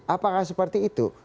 apakah seperti itu